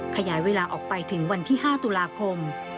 ขยายเวลาออกไปถึงวันที่๕ตุลาคม